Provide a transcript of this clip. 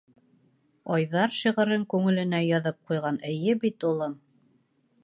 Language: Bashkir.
— Айҙар шиғырын күңеленә яҙып ҡуйған, эйе бит, улым.